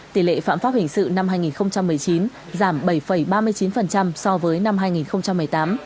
tỷ lệ phạm pháp hình sự năm hai nghìn một mươi chín giảm bảy ba mươi chín so với năm hai nghìn một mươi tám